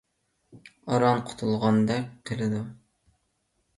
ئاران قۇتۇلغاندەك قىلىدۇ.